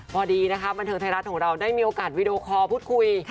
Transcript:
พอดีนะคะบันเทิงไทยรัฐของเราได้มีโอกาสวีดีโอคอลพูดคุย